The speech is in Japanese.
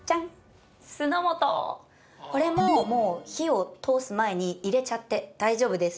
これももう火を通す前に入れちゃって大丈夫です。